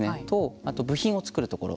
あと、部品を作るところ。